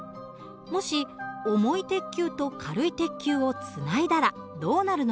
もし重い鉄球と軽い鉄球をつないだらどうなるのだろうか？